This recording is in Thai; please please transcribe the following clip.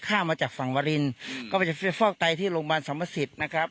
ข้ามมาจากฝั่งวรินก็มันจะฟอกไตที่โรงพยาบาลสัมมสิทธิ์นะครับ